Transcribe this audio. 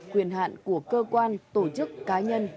quyền hạn của cơ quan tổ chức cá nhân